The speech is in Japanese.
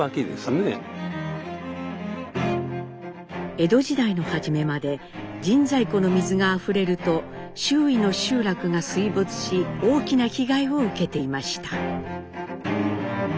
江戸時代の初めまで神西湖の水があふれると周囲の集落が水没し大きな被害を受けていました。